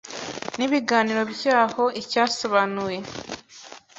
n'ibiganiro byaho Icyasobanuwe